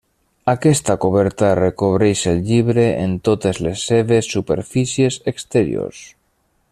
Aquesta coberta recobreix el llibre en totes les seves superfícies exteriors.